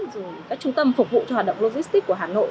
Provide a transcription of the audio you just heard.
rồi cái trung tâm phục vụ cho hoạt động logistic của hà nội